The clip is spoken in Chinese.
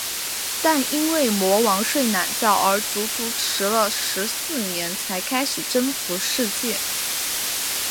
但因为魔王睡懒觉而足足迟了十四年才开始征服世界。